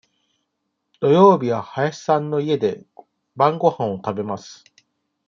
土曜日は林さんの家で晩ごはんを食べます。